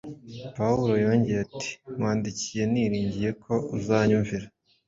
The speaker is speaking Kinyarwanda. Pawulo yongeyeho ati, “Nkwandikiye niringiye ko uzanyumvira